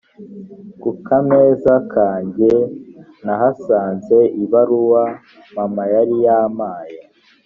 ku kameza kanjye nahasanze ibaruwa mama yari yampaye